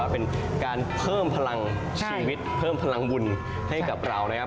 เป็นการเพิ่มพลังชีวิตเพิ่มพลังบุญให้กับเรานะครับ